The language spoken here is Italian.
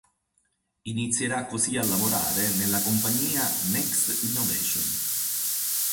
Inizierà così a lavorare nella compagnia Next Innovation.